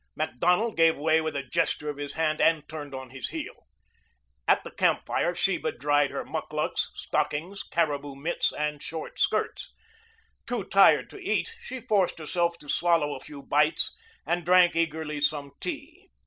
Macdonald gave way with a gesture of his hand and turned on his heel. At the camp fire Sheba dried her mukluks, stockings, caribou mitts, and short skirts. Too tired to eat, she forced herself to swallow a few bites and drank eagerly some tea.